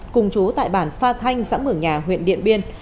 cùng chú tại bản pha thanh xã mường nhà huyện điện biên